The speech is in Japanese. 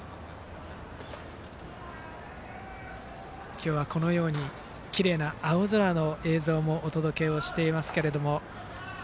今日は、このようにきれいな青空の映像もお届けしていますが。